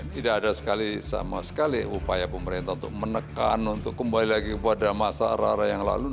tidak ada sekali sama sekali upaya pemerintah untuk menekan untuk kembali lagi kepada masa rara yang lalu